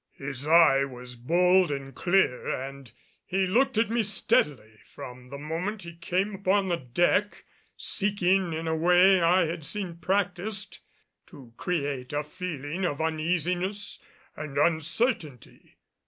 His eye was bold and clear and he looked at me steadily from the moment he came upon the deck, seeking, in a way I had seen practised, to create a feeling of uneasiness and uncertainty.